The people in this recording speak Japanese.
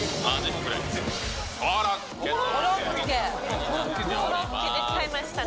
コロッケ、出ちゃいましたね。